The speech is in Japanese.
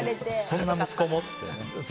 そんな息子もってね。